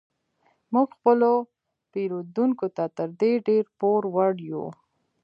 موږ خپلو پیرودونکو ته تر دې ډیر پور وړ یو